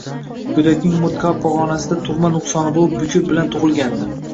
Go`dakning umurtqa pog`onasida tug`ma nuqsoni bo`lib, bukur bilan tug`ilgandi